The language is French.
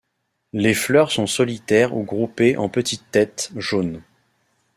Les fleurs sont solitaires ou groupées en petites têtes, jaunes.